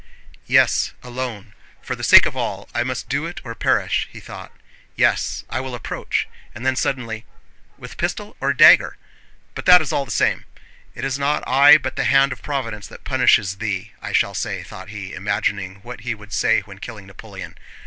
"Yes, alone, for the sake of all, I must do it or perish!" he thought. "Yes, I will approach... and then suddenly... with pistol or dagger? But that is all the same! 'It is not I but the hand of Providence that punishes thee,' I shall say," thought he, imagining what he would say when killing Napoleon.